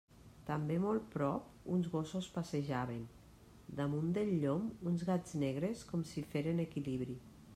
També molt prop, uns gossos passejaven, damunt del llom, uns gats negres com si feren equilibri.